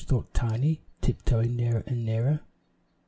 thought Tiny, tiptoeing nearer and nearer.